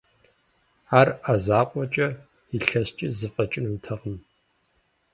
Ар Ӏэ закъуэкӀэ илъэскӀи зэфӀэкӀынутэкъым.